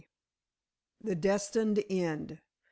THE DESTINED END.